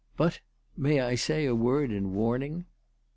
" But may I say a word in warning